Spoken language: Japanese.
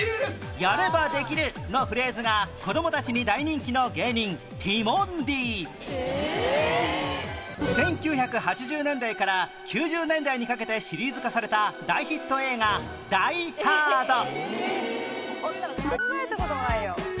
「やればできる」のフレーズが子どもたちに大人気の芸人「ティモンディ」１９８０年代から１９９０年代にかけてシリーズ化された大ヒット映画『ダイ・ハード』